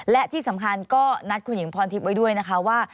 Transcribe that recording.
และที่สำคัญก็นัดคุณหญิงพรทิพย์ไว้ด้วยนะคะว่า